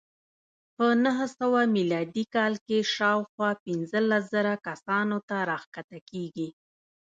په نهه سوه میلادي کال کې شاوخوا پنځلس زره کسانو ته راښکته کېږي.